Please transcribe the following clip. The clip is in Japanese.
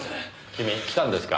君来たんですか。